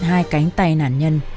hai cánh tay nạn nhân